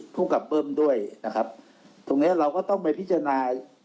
ภูมิกับเบิ้มด้วยนะครับตรงเนี้ยเราก็ต้องไปพิจารณา